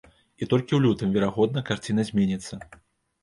І толькі ў лютым, верагодна, карціна зменіцца.